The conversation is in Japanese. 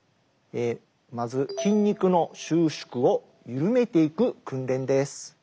まず筋肉の収縮を緩めていく訓練です。